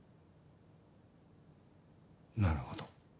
なるほど。